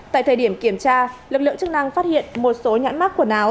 tại thời điểm kiểm tra lực lượng chức năng phát hiện một số nhãn mắc quần áo